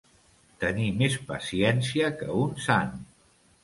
Tenir més paciència que un sant.